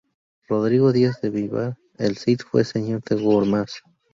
Rodrigo Díaz de Vivar, el Cid, fue señor de Gormaz.